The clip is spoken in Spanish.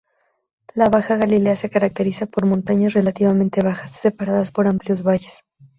La baja Galilea se caracteriza por montañas relativamente bajas, separadas por amplios valles.